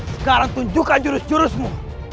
sekarang tunjukkan jurus jurusmu